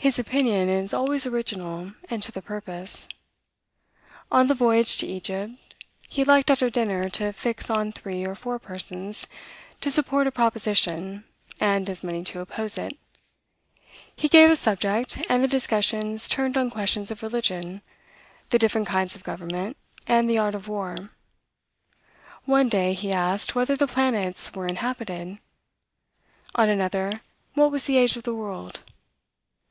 His opinion is always original, and to the purpose. On the voyage to Egypt, he liked, after dinner, to fix on three or four persons to support a proposition, and as many to oppose it. He gave a subject, and the discussions turned on questions of religion, the different kinds of government, and the art of war. One day, he asked, whether the planets were inhabited? On another, what was the age of the world?